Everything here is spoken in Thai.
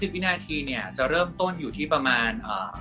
วินาทีเนี่ยจะเริ่มต้นอยู่ที่ประมาณ